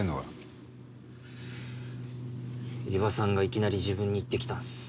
伊庭さんがいきなり自分に言ってきたんです。